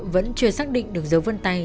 vẫn chưa xác định được dấu vân tay